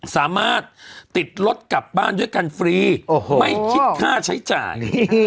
สามารถติดรถกลับบ้านด้วยกันฟรีไม่คิดค่าใช้จ่าย